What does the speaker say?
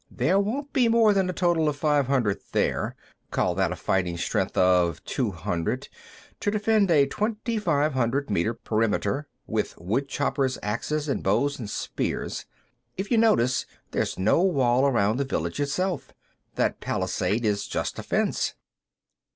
"There won't be more than a total of five hundred there; call that a fighting strength of two hundred, to defend a twenty five hundred meter perimeter, with woodchoppers' axes and bows and spears. If you notice, there's no wall around the village itself. That palisade is just a fence."